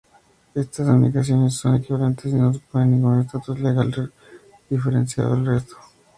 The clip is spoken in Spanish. Estas denominaciones son equivalentes y no suponen ningún estatus legal diferenciado del resto.